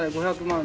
５００万。